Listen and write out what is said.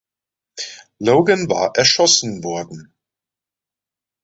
Logan war erschossen worden.